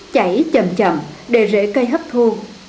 chảy chậm chậm để rễ cây hấp thu